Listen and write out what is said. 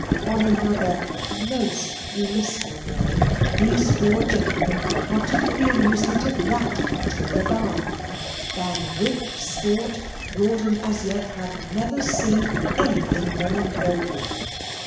On another most blissful morning, these four gentlemen partook of the amusement of rat hunting in a barn, than which sport Rawdon as yet had never seen anything more noble.